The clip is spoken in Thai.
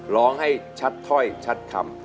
ร้องให้ชัดถ้อยชัดคำ